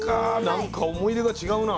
何か思い入れが違うな。